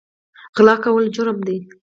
غلا کول جرم دی